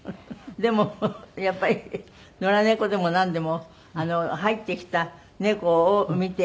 でもやっぱり野良猫でもなんでも入ってきた猫を見て